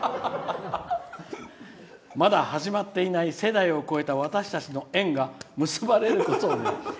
まだ始まっていない世代を超えた私たちの縁が結ばれることを願って」。